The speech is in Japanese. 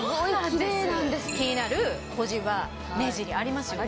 気になる小じわ目尻ありますよね。